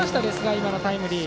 今のタイムリー。